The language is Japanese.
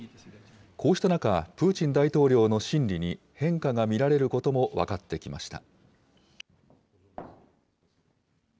こうした中、プーチン大統領の心理に変化が見られることも分かってきました。